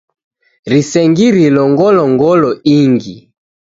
Risengirilo ghongolo ingi